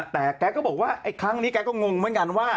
แต่แกก็บอกว่าไอ้ครั้งนี้แกก็งงเหมือนกันว่า